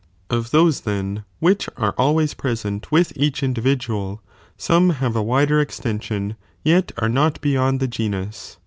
Of those then, which are always present with i. tHridra of each individual, some have a wider extension, yet |^^i;||I™' are not beyond the genus.